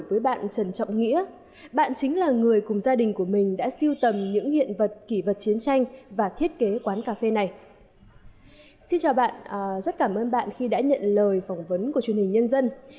mời phỏng vấn của truyền hình nhân dân